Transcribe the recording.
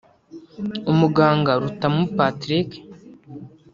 umuganga Rutamu Patrick